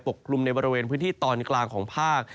กลุ่มในบริเวณพื้นที่ตอนกลางของภาค